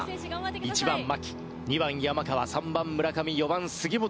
１番牧２番山川３番村上４番杉本という打順です。